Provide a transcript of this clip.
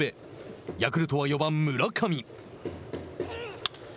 ヤクルトは４番村上。